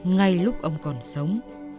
ngay lúc ông còn sống